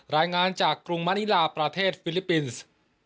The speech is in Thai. รายงานจากกรุงมะนิลาประเทศฟิลิปปินส์